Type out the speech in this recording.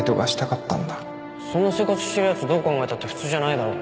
そんな生活してるやつどう考えたって普通じゃないだろ